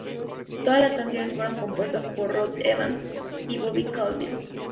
Todas las canciones fueron compuestas por Rod Evans y Bobby Caldwell.